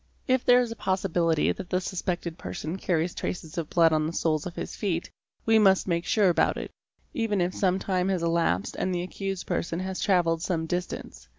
| If there is a possibility that the suspected person carries traces of blood on the soles of his feet, we must make sure about it, even if some time has elapsed and the accused person has travelled some distance.